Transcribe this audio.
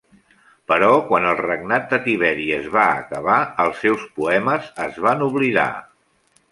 Però quan el regnat de Tiberi es va acabar, els seus poemes es van oblidar.